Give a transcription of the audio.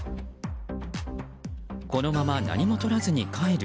このまま何もとらずに帰る？